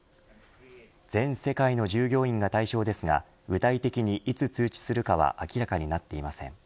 全世界の従業員が対象ですが具体的にいつ通知するかは明らかになっていません。